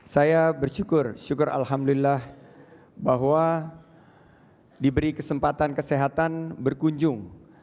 saya bersyukur syukur alhamdulillah bahwa diberi kesempatan kesehatan berkunjung